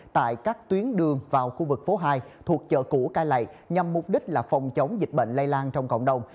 tại các tuyến đường vào khu vực phố hai thuộc chợ củ cai lậy nhằm mục đích là phòng chống dịch bệnh lây lan trong cộng đồng